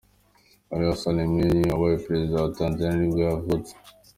Ali Hassan Mwinyi, wabaye perezida wa wa Tanzania nibwo yavutse.